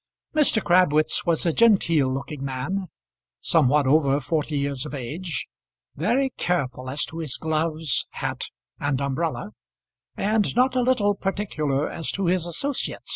Mr. Crabwitz was a genteel looking man, somewhat over forty years of age, very careful as to his gloves, hat, and umbrella, and not a little particular as to his associates.